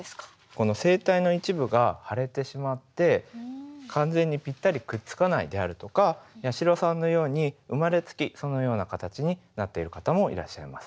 この声帯の一部が腫れてしまって完全にぴったりくっつかないであるとか八代さんのように生まれつきそのような形になっている方もいらっしゃいます。